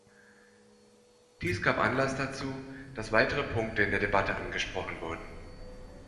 Dies gab Anlass dazu, dass weitere Punkte in der Debatte angesprochen wurden.